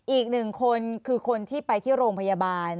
อีกหนึ่งคนคือคนที่ไปที่โรงพยาบาล